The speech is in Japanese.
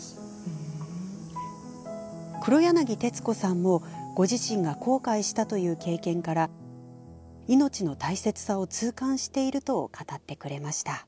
黒柳徹子さんもご自身が後悔したという経験から命の大切さを痛感していると語ってくれました。